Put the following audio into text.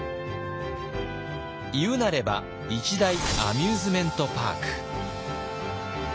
言うなれば一大アミューズメントパーク。